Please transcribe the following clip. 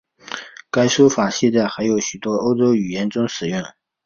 该说法现在还在许多欧洲语言中使用。